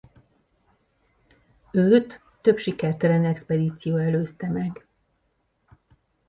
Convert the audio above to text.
Őt több sikertelen expedíció előzte meg.